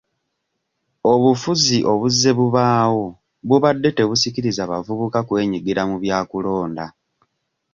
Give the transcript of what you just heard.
Obufuzi obuzze bubaawo bubadde tebusikiriza bavubuka kwenyigira mu bya kulonda.